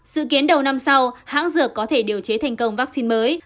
dự kiến đầu năm sau hãng dược có thể điều chế thành công vaccine mới